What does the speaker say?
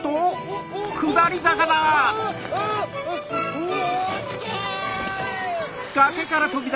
うわ！